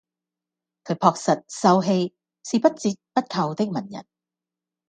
他樸實、秀氣，是不折不扣的文人